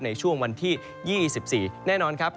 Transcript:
ในช่วงวันที่๒๔แน่นอนครับ